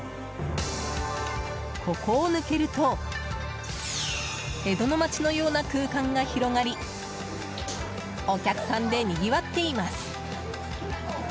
ここを抜けると江戸の街のような空間が広がりお客さんでにぎわっています。